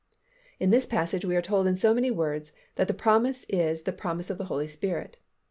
In this passage we are told in so many words that the promise is the promise of the Holy Spirit.